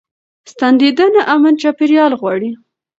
ستنېدنه امن چاپيريال غواړي.